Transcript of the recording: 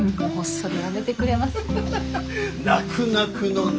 それもやめてくれます？